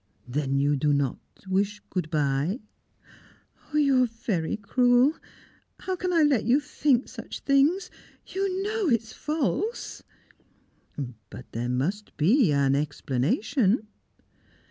"Then you do not wish good bye?" "You are very cruel! How can I let you think such things? You know it's false!" "But there must be explanation!"